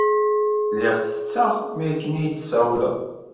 Lliɣ tetteɣ mi akken i yi-d-tsawleḍ.